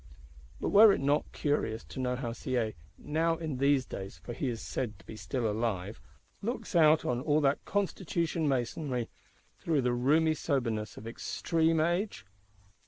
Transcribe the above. But were it not curious to know how Sieyes, now in these days (for he is said to be still alive) looks out on all that Constitution masonry, through the rheumy soberness of extreme age?